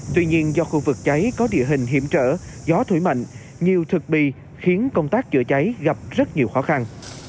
tuy nhiên do khu vực cháy có địa hình hiểm trở gió thổi mạnh nhiều thực bì khiến công tác chữa cháy gặp rất nhiều khó khăn